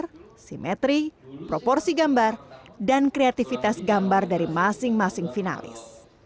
dan juga kualitas kopi proporsi gambar dan kreativitas gambar dari masing masing finalis